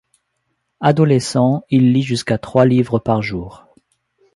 Adolescent, il lit jusqu'à trois livres par jour.